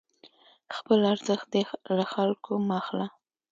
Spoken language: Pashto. خپل ارزښت دې له خلکو مه اخله،